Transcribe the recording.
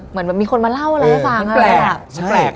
เหมือนมีคนมาเล่าอะไรแล้วฟังอะ